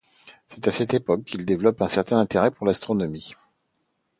C'est à cette époque qu'il développe un certain intérêt pour l'astronomie.